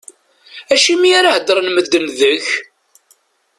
Acimi ara hedren medden deg-k?